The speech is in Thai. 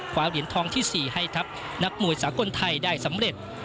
เหรียญทองที่๔ให้ทัพนักมวยสากลไทยได้สำเร็จ